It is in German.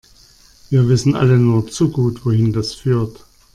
Wir wissen alle nur zu gut, wohin das führt.